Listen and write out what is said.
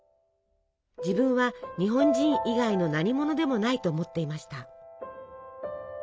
自分は日本人以外のなにものでもないと思っていました。